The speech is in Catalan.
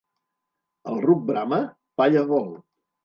El ruc brama? Palla vol.